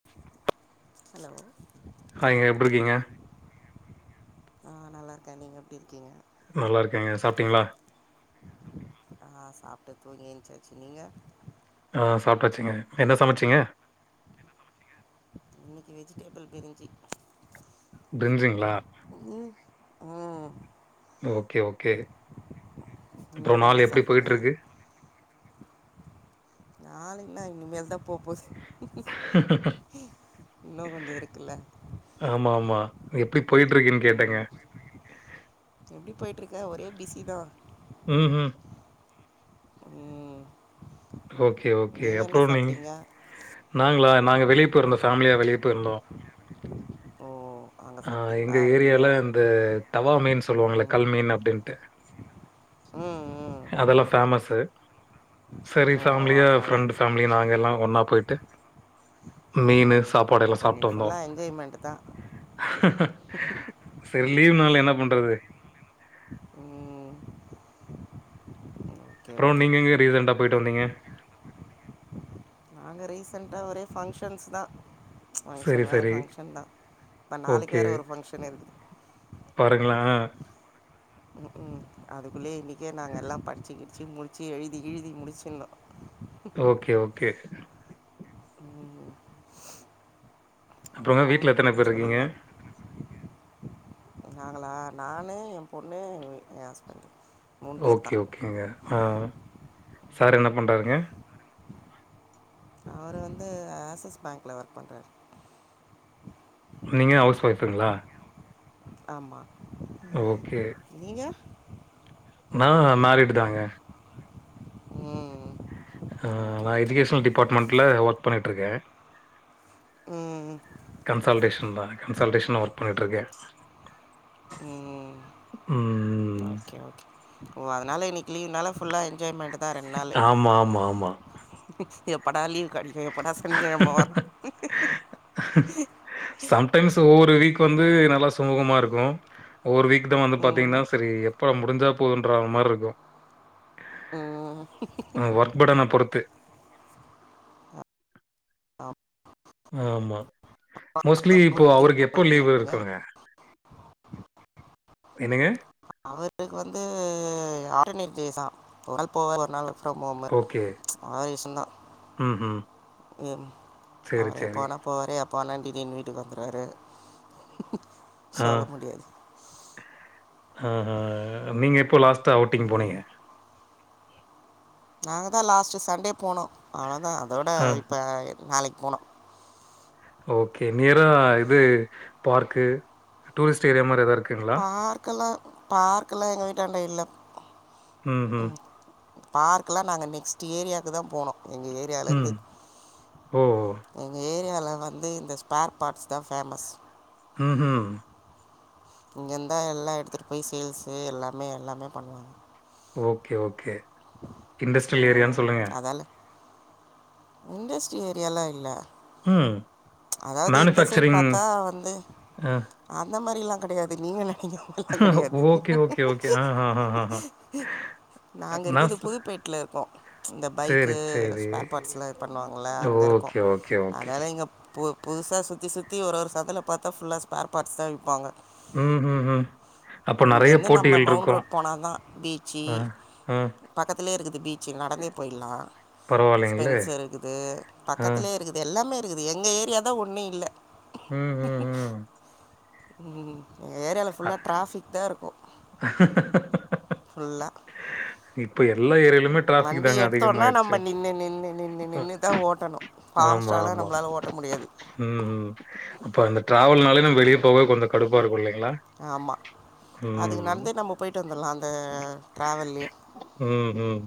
[inaudible] Hello ஹாய்ங்க எப்டி இருக்கீங்க? ஆ நல்லாருக்க நீங்க எப்டி இருக்கீங்க நல்லா இர்க்கேங்க சாப்ட்டீங்ளா ஆ சாப்டு தூங்கி எந்சாச்சு நீங்க ஆ சாப்டாச்சுங்க என்ன சமச்சிங்க இன்னக்கி வெஜிடபிள் பிரிஞ்சி பிரிஞ்சிங்ளா [unintelligible] ஆ ஓகே ஓகே அப்றோ நீங்கள் என்ன நாள் எப்டி சாப்பிட்டீங்க போய்ட்ருக்கு நாளுங்ளா இனிமேல்தா போ போது இன்னு கொஞ்சோ இருக்குல்ல ஆமாமா எப்டி போய்ட்ருக்குன் கேட்டெங்க எப்டி போய்ட்ருக்கே ஒரே பிஸி தா ம் ஹும் ம் ஓகே ஓகே நீங்கள் அப்றோ என்ன நீ சாப்பிட்டீங்க நாங்ளா நாங்க வெளிய போய்ருந்தோ ஃபேமிலியா வெளிய போய்ருந்தோ ஓ அங்கே ஆ சாப்பிட்டீங்களா எங்க வெளியே ஏரியால இந்த தவ்வா மீன் சொல்லுவாங்ள ம் கல் மீன் அப்டின்ட்டு ம் ம் அதல்லா ஃபேமஸு செரி ஓ அதனால ஃபேம்லியா அது நல்லா ஃப்ரெண்டு் இருக்கு. ஃபேம்லி நாங்கெல்லா ஒன்னா போய்ட்டு மீனு ம் சாப்பாடெல்லா அப்போ சாப்ட்டு இன்றைக்கி வந்தோ ஃபுல்லாக என்ஜாய்மெண்ட்டு தான் செரி லீவ் நாள்ல என்ன பண்றது ம் ஓகே அப்றோ ஓகே நீங்க எங்க ரீசெண்ட்டா போய்ட்டு வந்தீங்க நாங்க ரீசெண்ட்டா ஒரே ஃபங்க்ஷன்ஸ் தா சரி, ஃபங்க்ஷன் மேல சரி. ஃபங்க்ஷன்தா இப்ப நாளைக்கி வேற ஒரு ஃபங்க்ஷன் இருக்குது பாருங்ளே அதுக்குள்ள இன்னிக்கே நாங்க எல்லா படிச்சி கிடிச்சி முடிச்சி எழுதி கிழுதி முடிச்சிர்னு ஓகே ஓகே ம், அப்றோங்க அப்புறம் வீட்ல எத்தன பேர் இருக்கீங்க சொல்லுங்கள் நாங்களா நானு எ பொண்ணு எ எ அஸ்பண்ட் ஓகே ஓகேங்க ஆ சார் என்ன பண்றாருங்க அவர் வந்து ஆஸிஸ் பேங்க்ல ஒர்க் பண்றாரு நீங்க அவுஸ் ஒய்ஃபுங்ளா ஆமா ஓகே நீங்க நா மேரிடு தாங்க ம் ஆ ஓகே நா ஓகே எஜுகேஷ்னல் டிபார்ட்மென்ட்ல ஒர்க் பண்ணிட்ருக்கே ம் கன்சால்டேஷன் தா கன்சால்டேஷன்ல ஒர்க் பண்ணிட்ருக்கே ம் ம் ஓகே ஓகே ஓ அதனால இன்னி க்கி லீவ்னால ஃபுல்லா என்ஜாய்மெண்ட்டு தா ரெண் நாளு ஆமா, ஆமா, ஆமா. எப்படா லீவ் கெடைக்கு எப்படா சனிகெழம வரு சம்டைம்ஸ் ஒவ்வொரு வீக் வந்து நல்லா சுமூகமாருக்கு ஒவ்வொரு வீக் இத வந்து பாத்தீங்கன்னா ம், செரி எப்பா முடிஞ்சா போதுன்றா மார்ருக்கு ம் நம்ம ஒர்க் பேர்டன பொறுத்து ஆம் ஆமா மோஸ்ட்லி இப்போ அம்மாக்கு அவருக்கு எப் இப்ப போவீங்களா லீவு நீங்க? இருக்குங்க என்னங்க அவருக்கு வந்து ஆர்டினரி கேசா தொடப்போ வேலனாலு ஆமாஆமா ஓகே. அவர் இஷ்டதா ம்ஹ்ம். ம் சரி, அவர் சரி. எப்பவேணா போறே பொன்னாட்டிக்குன்னு வீட்டுக்கு வந்துருவாரு சொல்ல முடியாது ம் ஹு ம் நீங்க எப்போ லாஸ்ட்டா அவுட்டிங் போனீங்க நாங்கதா லாஸ்ட்டு சண்டே போனோ அவ்ளதா அதோட ஆ. இப்போ நாளைக்கு போணு ஓகே நியரா இது பார்க்கு டூரிஸ்ட் ஏரியா மாரி எதா இருக் பார்க்கெல்லா பார்க்கெல்லா எங்க வீட்டாண்ட இல்ல ம்ஹ்ம். ம் பார்க்குலா நாங்க நெக்ஸ்ட் ஏரியாக்கு தா போணு எங்க ஏரியாலருந்து ம். ஓ! எங்க ஏரியால வந்து இந்த ஸ்பேர் பாட்ஸ் தா ஃபேமஸ் ம் ஹும் இங்கே இந்தா எல்லா எடுத்துட் போய் சேல்ஸு எல்லாமே எல்லாமே பண்ணுவாங்க ஓகே ஓகே இண்டஸ்ட்ரியல் ஏரியானு சொல்லுங்க அதால் இண்டஸ்ட்ரி ஏரியாலா இல்ல ம் அதாவது இந்த சைட் மேனுஃபேக்சரிங் பாத்தா வந்து அ அந்த மாரி எல்லா கெடையாது நீங்க நெனைக்ற மா [unintelligible] கெடையாது ஓகே, ஓகே, ஓகே. ஆஹாஹாஹா. நாங்க நான் இருக்கது சொ புதுப்பேட் லருக்கோ இந்த சரி, பைக்கு இதுல சரி. ஸ்பேர் பார்ட்ஸ்லா இது பண்ணுவாங்கள்ல அங்க இருக்கோ ஓகே, ஓகே, ஓகே. அதனால எங்க இப்போ புதுசா சுத்தி சுத்தி ஒரு சந்துல பாத்தா ஃபுல்லா ஸ்பேர் பார்ட்ஸ்தா விப்பாங்க ம் ம் ம் அப்ப இங்க நெறைய இருந்து நம்ம போட்டிகள் இருக்கும். மவுண்ட்ரோட் போனாதா பீச்சு ஆ, ஆ. பக்கத்துலயே இருக்குது பீச்சு நடந்தே போய்ட்லா பரவாயில்லைங்களே! ஸ்பென்சர் இருக்குது ஆ, பக்கத்துலே இருக்குது எல்லாமே இருக்குது எங்க ஏரியா தா ஒன்னு இல்ல ம் ம், ம். ம் எங்க ஏரியால அ ஃபுல்லா ட்ராஃபிக்தா இருக்கு ஃபுல்லா இப்ப எல்லா ஏரியால வண்டி எடுத்தோனா நம்ம நின்னு நின்னு நின்னு அ, நின்னுதா ஓட்டணு ஆமா ஆமா ம்ம் அப்போ அந்த டிராவல்னாலே நம்ப வெளிய போக கொஞ்சோ கடுப்பா இருக்கு இல்லைங்ளா ஆமா அதுக்கு நடந்தே நம்ம போய்ட்டு வந்துட்லா அந்த டிராவல்லயே ம் ம்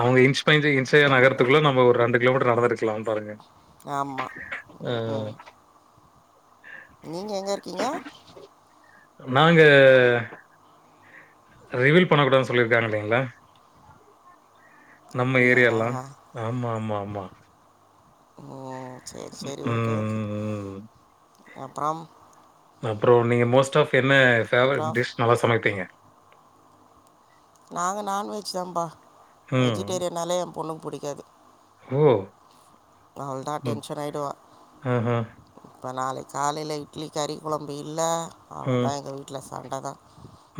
அவங்க இன்ச் பை இன்சா என்ன பண்ண நகரத்துக்குள்ள நம்ம ஒரு ரெண்டு கிலோமீட்டர் நடந்துருக்க க்கலா பாருங்க ஆமா அ ம் ம் நீங்க எங்க இருக்கீங்க நாங்க ரிவில் பண்ணக்கூடாதுன் சொல்லிருக்காங்க இல்லைங்ளா நம்ம ஏரியால்லா அப்படியா ஆமா ஆமா ஆமா ம் செரி செரி ம், ஓகே ஓகே ம், அப்றம் அப்ற நீங்க மோஸ்ட் ஆஃப் என்ன பேவரட் அப்புறம் டிஷ் நல்லா சமைப்பீங்க நாங்க நான்வெஜ் தான்ம்பா ம். வெஜிடேரியன்னாலே எ பொண்ணுக்கு புடிக்காது ஓ நா அழுதா ம். டென்ஷன் ஆயிடுவா ஆஹா. இப்ப நாளைக் காலையில இட்லிக் கறி கொழம்பு இல்ல ம். அவ்ளதா எங்க வீட்ல சண்டதா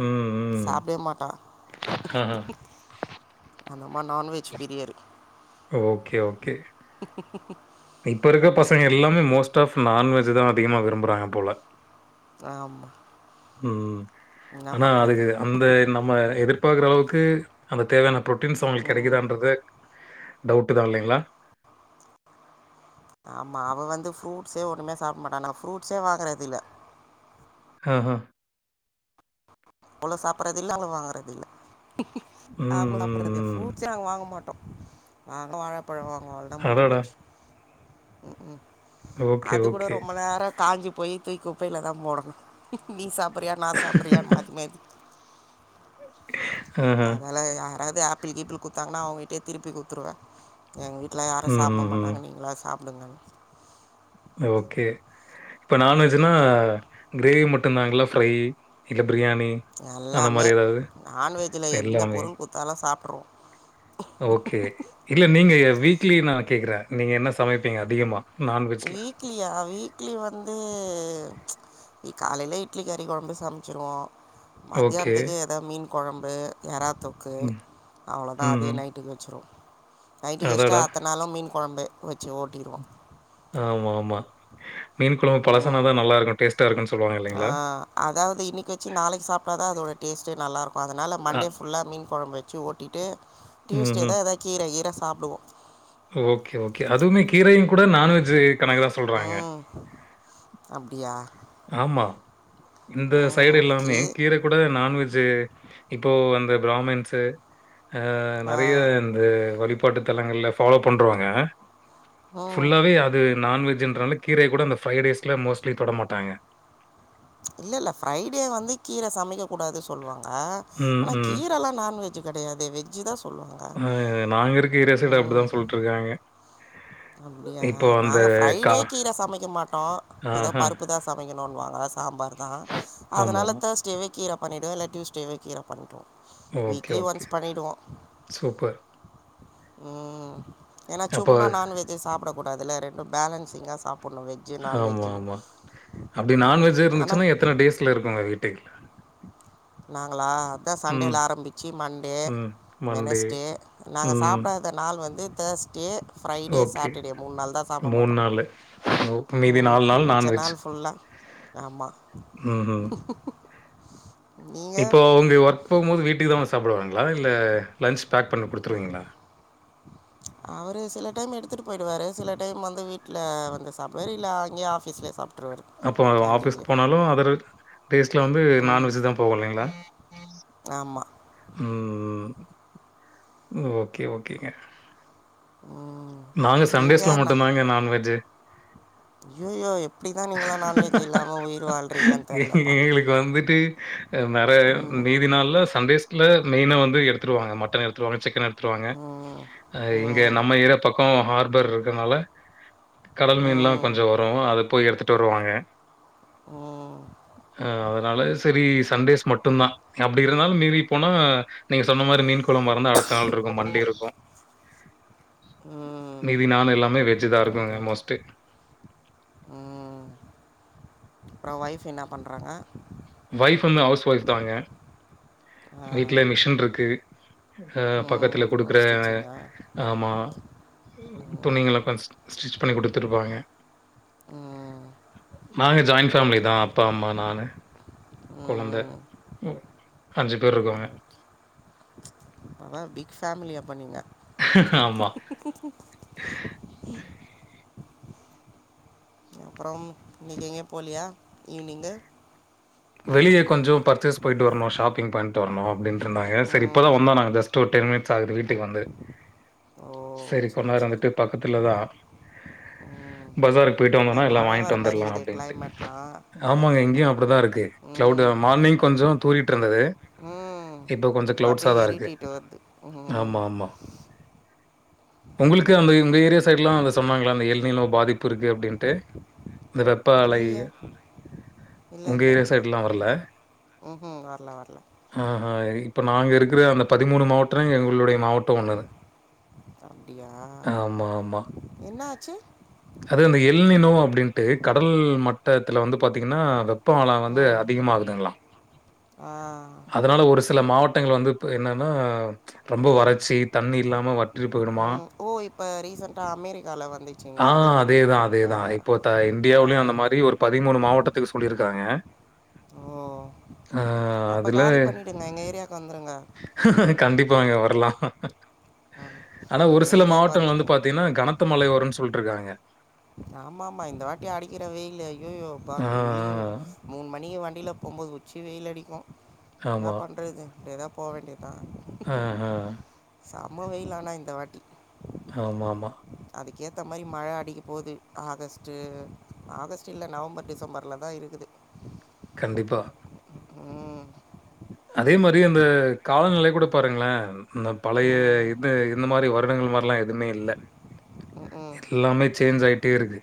ம். ம். சாப்டவே மாட்டா ஆஹா. அந்தம்மா நான்வெஜ் பிரியர் ஓகே ஓகே கிக்கு கிக்கு [inaudible] இப்ப இருக்ற பசங்க எல்லாமே மோஸ்ட் ஆஃப் நான்வெஜ்தா அதிகமா விரும்புறாங்க போல ஆம்மா ம் ஆனா அதுக்கு அந்த நம்ம எதிர்ப் பாக்கற அளவுக்கு அந்த தேவையான பு்ரோட்டீன்ஸ் அவுங்குளுக் ம் கெடைக்குதான்றது டவுட்டு தா இல்லேங்களா ஆமா அவ வந்து ஃப்ரூட்ஸே ஒன்னுமே சாப்ட மாட்டா நா ஃப்ரூட்ஸே வாங்கறதில்ல அ அ அவ்ளோ சாப்பட்றது இல்ல அவ்ளோ வாங்கறது இல்ல ம். அவங்க சாப்பட்றது எப் ம். ம். ஃப்ரூட்ஸே நாங் வாங்க மாட்டோ வாங்கனா வாழப்பழோ வாங்குவோ அவ்ளதா முடிஞ்சு அடடா! போச்சு ம் ம் ஓகே, அது கூட ஓகே. ரொம்ப நேர காஞ்சி போயி தூய்க் குப்பையிலதா போடணு நீ சாப்றயா நா சாப்றயான் மாத்தி மாத்தி ஆஹா. அதலா யாராவது ஆப் ப்பிள் ஈபிள் குத்தாங்கனா அவங்ககிட்யே திருப்பி குடுத்துருவே எங்க வீட்ல யாரு ம். சாப்ட ம். ம். மாட்டாங்க நீங்களா சாப் [unintelligible] ஓகே இப்ப நான்வெஜ்னா கிரேவி மட்டுந்தாங்களா ஃப்ரை இல்ல பிரியாணி அந்த மாரி எல்லாமே ஏதாவது? நான்வெஜ்ல எந்த எல்லாமே. பொருள் குத்தாலு சாப்ருவோ ஓகே இல்ல நீங்க யே வீக்லி நா கேட்கற நீங்க என்ன சமைப்பீங்க அதிகமா நான்வெஜ்ல க்லியா வீக்லி வந்து இ காலையில இட்லி கறி கொழம்பு சமச்சிருவோ ஓகே. மத்யான்த்துக்கு ஏதா மீன் கொழம்பு எறா தொக்கு ம். அவ்ளதா அதே ம். நைட்டுக் வெச்சுருவோ நைட்டுக்குவெச்ட்டு அடடா! அத்த நாள்லா மீன் கொழம்பு வெச்சு ஓட்டிருவோ ஆமாம்மா மீன் கொழம்பு ம் பழசானாதா நல்லா இருக்கு டேஸ்ட்டா இருக்குன் சொல்லுவாங்க ஆ இல்லைங்களா? அதாவது இன்னிக் வெச்சு நாளைக் சாப்ட்டாதா அதோட டேஸ்ட்டே நல்லா இருக்கு அதனால அ. மண்டே ஃபுல்லா மீன் கொழம்பு வெச்சு ஓட்டிட்டு டியூஸ்டே ம்ஹ்ம். தா எதா கீர கீர சாப்டுவோ ஓகே ஓகே அதுவுமே கீரையு கூட நான்வெஜ்ஜூ கணக்கு தா சொல்றாங்க அப்டியா ஆமா இந்த சைடு ஓகே எல்லாமே கீரக் கூட நான்வெஜ்ஜு இப்போ அந்த ப்ராமின்ஸ்சு அ ஆ நெறைய வந்து வழிபாட்டு தலங்கள்ல ஃபாலோ பண்றுவாங்க ம் ஃபுல்லாவே அது நான்வெஜ்ஜுன்றனால கீரைய கூட அந்த ஃப்ரைடேஸ்ல மோஸ்ட்லி தொட மாட்டாங்க இல்லல்ல ஃப்ரைடே வந்து கீர சமைக்க கூடாது சொல்வாங்க ம், ஆனா ம். கீரெல்லா நான்வெஜ் கெடையாதே வெஜ்ஜு தா சொல்வாங்க ம் ட்டுருக்காங்க அப்டியா நாங்க ஃப்ரைடே கா கீர சமைக்க மாட்டோ ஏதா ஆஹா. பருப்பு தா சமைக்கணுன்வாங்க சாம்பார்தா ஆமா. அதனாலதாஸ் டேவே கீர பண்ணிடுவே இல்ல டியூஸ்டேவே கீர பண்ணிடுவோ ஓகே, வீக்லி ஓகே. ஒன்ஸ் பண்ணிடுவோ சூப்பர். ம் ஏன்னா அப்போ சும்மா நான்வெஜ்ஜே சாப்ட கூடாதில்ல ரெண்ட் ப பேலன்ஸ்சிங்கா சாப்பிட்ணு வெஜ் ஆமா ஆமா அப்படி ம் நான்வெஜ் ஆனால் இருந்துச்சுன்னா எத்தன டேஸ்ல இருக்கு வீட்டுக் நாங்களா ம், சண்டேல்ல ஆரம்பிச்சு மண்டே ம். மண்டே. வெனஸ்டே நாங்க ம். சாப்டா த நாள் வந்து தேர்ஸ்ட்டே ஃப்ரைடே ஓகே. சாட்டடே மூண் நாள் தா சாப்பட மாட்டோ நாளு. ஓ மீதி ம் மிச்ச நான்வெஜ். நாள் ஃபுல்லா ஆமா ம்ஹ்ம். இப்போ உங்க ஒர்க் போகும்போது வீட்டுக்கு தா வந்து சாப்புடுவாங்களா இல்ல லன்ச் பேக் பண் குடுத்துருவீங்களா அவரு சில டைம் எடுத்துட்டு போயிடுவாரு சில டைம் வந்து வீட்டில வந்து சாப் வெளில்ல அங்கேயே ஆஃபீஸ்லே சா அப்போ ஆபீஸ்க் போனாலு அதர் டேஸ்ட்ல வந்து நான்வெஜ் தா போவு இல்லைங்களா ஆமா ம் ஓகே ஓகேங்க ம் நாங்க சண்டேஸ்ல நீங்கள் மட்டு நான் தாங்க நான்வெஜ்ஜு ஐயோயோ எப்டிதா நீங்களா நான்வெஜ் இல்லாம உயிர் வாழ்றீங்கன் தெர்லப்பா நறைய மீதி நாள்ல சண்டேஸ்ல மெய்னா வந்து எடுத்துருவாங்க மட்டன் எடுத்துருவாங்க சிக்கன் எடுத் துருவாங்க ம் அ இங்க ம் நம்ம ஏர்யா பக்கோ ஹார்பர் இருக்கனால கடல் மீன் எல்லா ம் கொஞ்சோ வரு அத போய் எடுத்துட்டு வருவாங்க ம் அ அதனால சரி சண்டேஸ் மட்டுந்தா அப்படி இருந்தாலு மீறி போனா நீங்க சொன்ன மார் மீன் கொழம்பாருந்தா அடுத்த நாள் இருக்கு மண்டே இருக்கு ம் மீதி நாளு எல்லாமே வெஜ் தா ஓகே இருக்குங்க ஓகே மோஸ்ட்டு ம் அப்றோ ஒய்ஃப் என்ன பண்றாங்க ஒய்ஃப் வந்து ஹவுஸ் ஒய்ஃப் தாங்க ஆ வீட்லே மிஷின் இருக்கு அ பக்கத்துல ம் ஓ குடுக்குற ஸ்டிச்சிங்கா ஆமா ம் துணிங்கள பஸ்ட் ஸ்டிச் பண்ணி குடுத்துருப்பாங்க ம் நாங்க ஜாயிண்ட் ஃபேமிலி ஓகே தா ஓகே அப்பா அம்மா நானு கொழந்த ம் அஞ்சு பேர் இருக்கோங்க அதா பிக் ஃபேமிலி அப்ப நீங்க ஆமா அப்றோம் இன்னிக் எங்கியு போல்லியா ஈவ்னிங்கு வெளிய கொஞ்சோ பர்ச்சேஸ் போய்ட்டு வர்னு ஷாப்பிங் பண்ட்டு வர்னு அப்டின்ட்டு இருந்தாங்க சரி இப்ப ம் தா வந்தா நாங்க ஜஸ் டூ டென் மினிட்ஸ் ஆகுது வீட்டுக்கு வந்து ஓ செரி கொண் சரி நேரோ சரி இருந்துட்டு பக்கத்துல தா ம் பசாருக் போய்ட்டு இல்லை வந்தோனா எல்லா மழை வாங்கிட் வர மாதிரி வந்தர்லா இருக்குது அப்டின்ட்டு கிளைமேட்லாம் அதான் ஆமாங்க இங்யு கேட்டேன் அப்டி தா இருக்கு கிளவ்டு ம் மார்னிங் கொஞ்சோ தூறிட் இருந்தது ம் இப்ப கொஞ்ச இப்போ கிளவுட்ஸா அப்படியே தா இருக்கு இருட்டிட்டு வருது ம் ஆமா ஆமா உங்ளுக்கு அந்த இந்த ஏரியா சைட்லா வந்து சொன்னாங்ளா அந்த எல்நிலோ பாதிப்பு இருக்கு அப்டின்ட்டு இந்த வெப்ப அலை இல்லையே இல்லை உங்க இல்லை ஏரியா இல்லை தேட்லா வர்ல ம் வரல வரல ஆஹ இ இப்ப நாங்க இருக்கற அந்த பதிமூணு மாவட்ரேங் எங்ளுடைய மாவட்டோ ஒன்னு அப்டியா ஆமா என்ன ஆச்சு அது அந்த எல்நிலோ அப்டின்ட்டு கடல் மட் டத்துல வந்து பாத்தீங்னா வெப்போ அல வந்து ம் அதிகமாகுதுங்ளா ஆ அதனால ஒரு சில மாவட்டங்கள் வந்து இப் என்னனா ரொம்ப வறச்சி தண்ணி இல்லாம வற்றி போய்டுமா ம் ஓ இப்ப ரீசெண்டா அமெரிக்கால வந்திச் ஆ அதே தா அதே தா இப்போ தா ஆ இன்டியாவ்லியு அந்த மாரி ஒரு பதிமூணு மாவட்டத்துக்கு சொல்லிருக்காங்க ஓ அப்ப அதுல காலி பண்ணிடுங்க எங்க ஏரியாக்கு வந்துருங்க கண்டிப்பாங்க வர்லா ம் ஆனா ஒரு எங்கள் சில ஏரியாவுக்கு மாவட்டம் வந்து வந்துடுங்க பாத்தினா கனத் த மழை வருனு சொல்லிட்ருக்காங்க ஆமா ஆமா இந்த வாட்டி அடிக்கிற வெயிலு ஐயையோ ப்பா ஆ, டெய்லியு ஆ. மூண் மணி வண்டில போம்போது உச்சி வெயில் அடிக்கும் என்னா ஆமா. பண்றது அப்டியே தா போ வேண்டிய தா ஆ ஆ சம வெயிலு ஆனா இந்த வாட்டி ஆமாமா அதுக்கேத்த மாரி மழ அடிக்க போது ஆகஸ்ட்டு ஆகஸ்ட் இல்ல நவம்பர் டிசம்பர்ல தா இருக்குது கண்டிப்பா ம் அதே மாரி அந்த காலநிலை கூட பாருங்களே இந்த பழைய ம் பத்து இந்த மாரி வருடங்கள் மாரிலா எதுவுமே இல்ல ம் எல்லாமே சேஞ்ச் ஆயிட்டே இருக்கு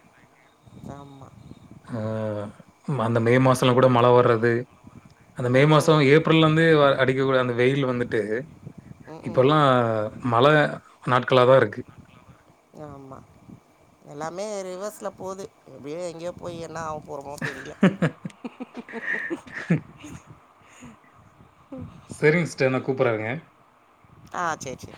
ஆமா ஆ அந்த மே மாசல்லா கூட மழ வர்றது அந்த மே மாசோ ம் ஏப் [unintelligible] அடிக்கக்கூடாது அந்த வெயிலு வந்துட்டு ம் இப்பெல்லா மழ நாட்களா தா இருக்கு ஆமா எல்லாமே ரிவர்ஸ்ல போது எப்டியோ எங்கயோ போய் என்னா ஆவப் போறமோ தெரில செரிங் சிஸ்டர் நா கூப்புற இருங்க ஆ செர் செரி